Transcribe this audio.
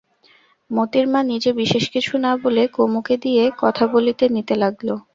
মোতির মা নিজে বিশেষ কিছু না বলে কুমুকে দিয়ে কথা বলিয়ে নিতে লাগল।